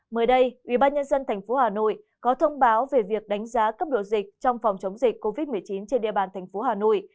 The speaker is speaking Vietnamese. mới đây ubnd tp hà nội có thông báo về việc đánh giá cấp độ dịch trong phòng chống dịch covid một mươi chín trên địa bàn thành phố hà nội